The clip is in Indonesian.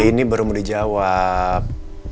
ini baru mau dijawab